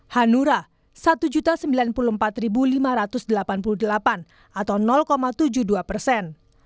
hanura satu sembilan puluh empat lima ratus delapan puluh delapan atau tujuh puluh dua persen